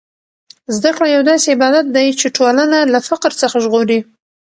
زده کړه یو داسې عبادت دی چې ټولنه له فقر څخه ژغوري.